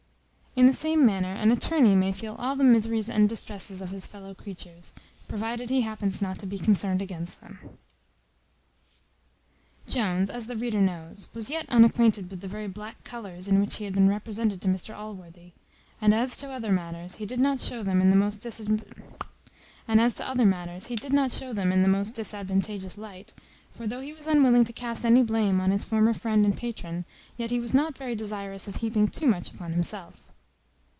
In the same manner an attorney may feel all the miseries and distresses of his fellow creatures, provided he happens not to be concerned against them. Jones, as the reader knows, was yet unacquainted with the very black colours in which he had been represented to Mr Allworthy; and as to other matters, he did not shew them in the most disadvantageous light; for though he was unwilling to cast any blame on his former friend and patron; yet he was not very desirous of heaping too much upon himself.